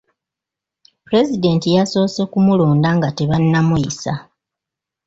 Pulezidenti yasoose ku mulonda nga tebannamuyisa.